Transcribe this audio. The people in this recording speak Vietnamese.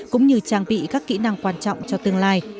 cũng như trang bị các kỹ năng quan trọng cho tương lai